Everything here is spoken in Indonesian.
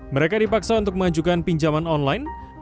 mereka dipaksa untuk mengajukan pinjaman online